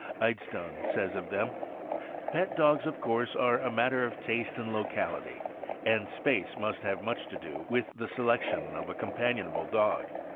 Idstone says of them: Pet dogs, of course, are a matter of taste and locality, and space must have much to do with the selection of a companionable dog.